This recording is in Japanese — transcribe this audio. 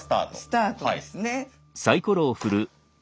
スタートですね。